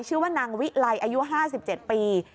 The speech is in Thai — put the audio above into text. ชื่อว่านางวิไลอายุ๕๗ปี